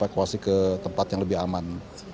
jadi kita bisa menemukan tempat yang lebih aman